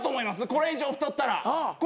これ以上太ったら。